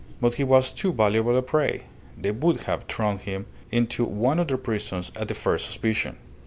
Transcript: But he was too valuable a prey. They would have thrown him into one of their prisons at the first suspicion."